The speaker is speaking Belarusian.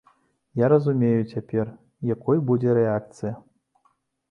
Я разумею цяпер, якой будзе рэакцыя.